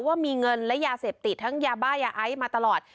ว่ามีเงินและยาเสพติดทั้งยาบ้ายาไอซ์มาตลอด